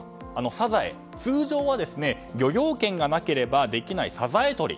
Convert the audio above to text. サザエ、通常は漁業権がなければできないサザエとり。